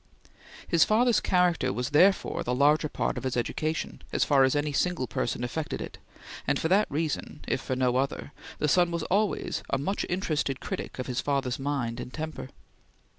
His father's character was therefore the larger part of his education, as far as any single person affected it, and for that reason, if for no other, the son was always a much interested critic of his father's mind and temper.